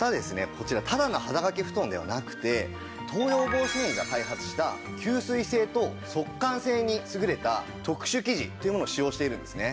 こちらただの肌掛け布団ではなくて東洋紡せんいが開発した吸水性と速乾性に優れた特殊生地というものを使用しているんですね。